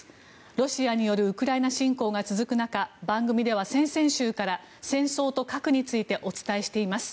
ロシアによるウクライナ侵攻が続く中番組では、先々週から戦争と核についてお伝えしています。